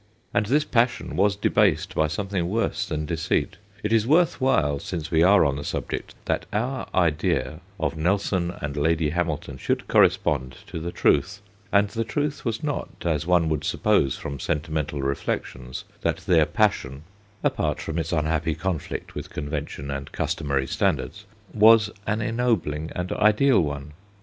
And this passion was debased by some thing worse than deceit. It is worth while, since we are on the subject, that our idea of Nelson and Lady Hamilton should correspond to the truth ; and the truth was not, as one would suppose from sentimental reflections, that their passion apart from its unhappy conflict with convention and customary standards was an ennobling and ideal one.